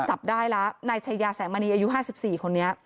จับได้แล้วนายชายาแสงมณีอายุ๕๔คนนี้